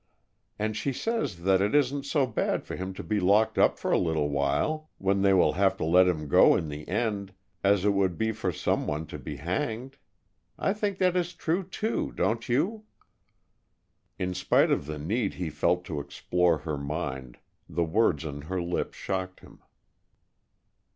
"And she says that it isn't so bad for him to be locked up for a little while, when they will have to let him go in the end, as it would be for some one to be hanged. I think that is true, too, don't you?" In spite of the need he felt to explore her mind, the words on her lips shocked him.